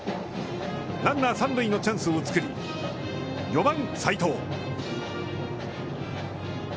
ランナー三塁のチャンスを作り、４番斎藤。